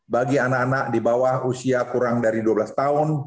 bagi anak anak di bawah usia kurang dari dua belas tahun